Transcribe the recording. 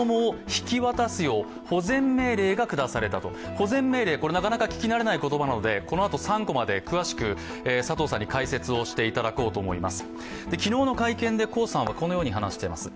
保全命令、なかなか聞き慣れない言葉なのでこのあと３コマで詳しく佐藤さんに解説していただこうと思います。